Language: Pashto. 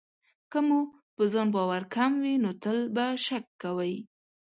که مو په ځان باور کم وي، نو تل به شک کوئ.